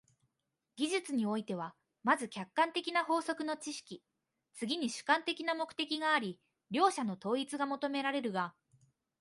技術においては、まず客観的な法則の知識、次に主観的な目的があり、両者の統一が求められるが、